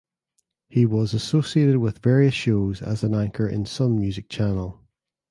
He was associated with various shows as an anchor in "Sun Music" channel.